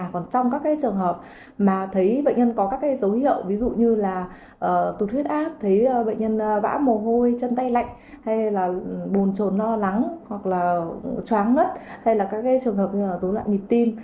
còn trong các trường hợp mà thấy bệnh nhân có các dấu hiệu ví dụ như là tụt huyết áp thấy bệnh nhân vã mồ hôi chân tay lạnh hay là bùn trồn lo lắng hoặc là chóng ngất hay là các trường hợp dối loạn nhịp tim